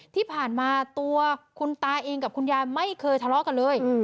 ที่ผ่านมาตัวคุณตาเองกับคุณยายไม่เคยทะเลาะกันเลย